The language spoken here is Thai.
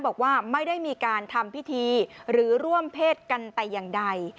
บอกว่าไม่ได้มีการทำพิธีหรือร่วมเพศกันแต่อย่างใด